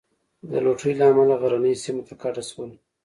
د لوټرۍ له امله غرنیو سیمو ته کډه شول.